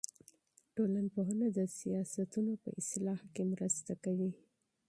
ټولنپوهنه د سیاستونو په اصلاح کې مرسته کوي.